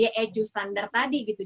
ya itu standard tadi gitu